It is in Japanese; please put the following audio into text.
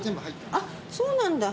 あっそうなんだ。